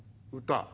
「歌。